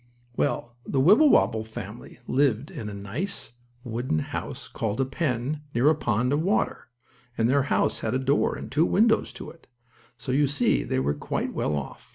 Well, the Wibblewobble family lived in a nice, wooden house, called a pen, near a pond of water, and their house had a door and two windows to it, so you see they were quite well off.